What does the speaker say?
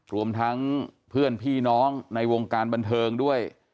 รวมทั้งเพื่อนพี่น้องในวงการบันเทิงด้วย